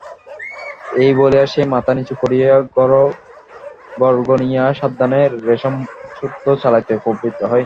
এই বলিয়া সে মাথা নিচু করিয়া ঘর গণিয়া সাবধানে রেশমসূত্র চালাইতে প্রবৃত্ত হয়।